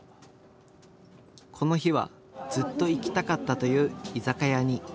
この日はずっと行きたかったという居酒屋に。